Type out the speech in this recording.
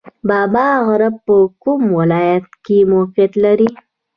بابا غر په کوم ولایت کې موقعیت لري؟